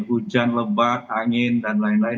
hujan lebat angin dan lain lain